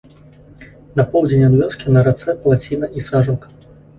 На поўдзень ад вёскі на рацэ плаціна і сажалка.